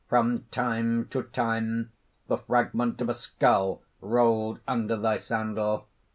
From time to time, the fragment of a skull rolled under thy sandal.